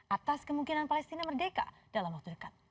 atas kemungkinan palestina merdeka dalam waktu dekat